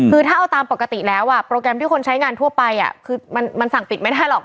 คือถ้าเอาตามปกติแล้วโปรแกรมที่คนใช้งานทั่วไปคือมันสั่งปิดไม่ได้หรอก